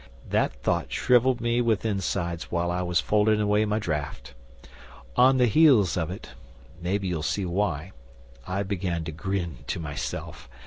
That thought shrivelled me with insides while I was folding away my draft. On the heels of it maybe you'll see why I began to grin to myself.